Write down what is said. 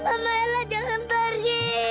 mama ella jangan pergi